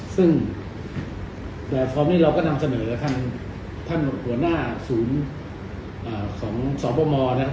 ซึ่งแบบฟอร์มนี้เราก็นำเสนอแล้วท่านหัวหน้าสูงของสอบประมวลนะครับ